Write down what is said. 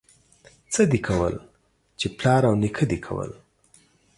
څه دي کول، چې پلار او نيکه دي کول.